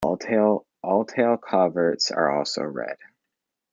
All tail coverts are also red.